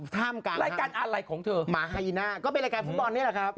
ท่ามกลางรายการอะไรของเธอหมาฮายีน่าก็เป็นรายการฟุตบอลนี่แหละครับ